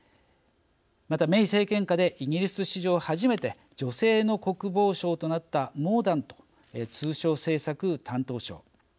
また、メイ政権下でイギリス史上、初めて女性の国防相となったモーダント通商政策担当相。